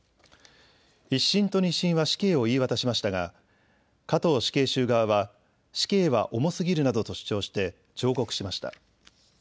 １審と２審は死刑を言い渡しましたが加藤死刑囚側は死刑は重すぎるなどと主張して上告しました。